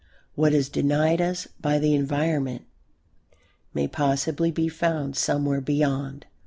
What is denied us by the environment may possibly be found somewhere beyond.